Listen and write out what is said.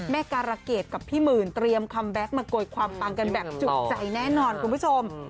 การะเกดกับพี่หมื่นเตรียมคัมแก๊กมาโกยความปังกันแบบจุกใจแน่นอนคุณผู้ชม